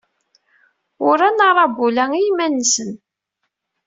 Uran aṛabul-a i yiman-nsen.